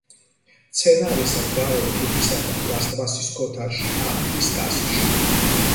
მცენარეს რგავენ თიხისა და პლასტმასის ქოთანში ან ხის კასრში.